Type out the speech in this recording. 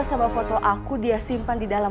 sama foto aku dia simpan di dalam